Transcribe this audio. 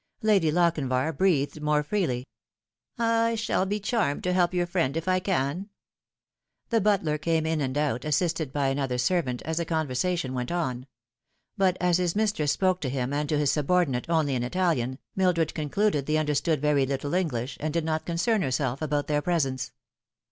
Lady Lochinvar breathed more freely. " I shall be charmed to help your friend if I can." The butler came in and out, assisted by another servant, as the conversation went on ; but as bis mistress spoke to him and to his subordinate only in Italian, Mildred concluded they understood very little English, and did not concern herself about their presence.